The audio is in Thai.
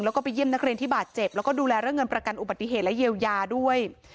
แล้วก็ไปเยี่ยมนักเรียนที่บาดเจ็บแล้วก็ดูแลเรื่องเงินประกันอุบัติเหตุและเยียวยาด้วย